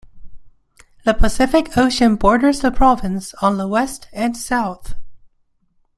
The Pacific Ocean borders the province on the west and south.